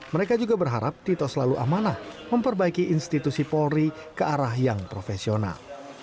mereka juga berharap tito selalu amanah memperbaiki institusi polri ke arah yang profesional